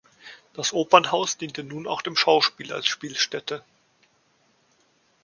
Das Opernhaus diente nun auch dem Schauspiel als Spielstätte.